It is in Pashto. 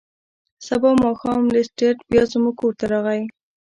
سبا ماښام لیسټرډ بیا زموږ کور ته راغی.